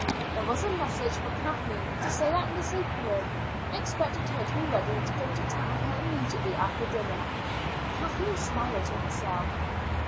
There was a message for Kathleen to say that Miss O'Flynn expected her to be ready to go to town with her immediately after dinner. Kathleen smiled to herself.